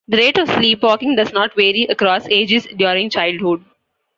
The rate of sleepwalking does not vary across ages during childhood.